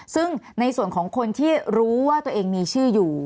ซึ่งในส่วนของคนที่รู้ว่าตัวเองมีชื่ออยู่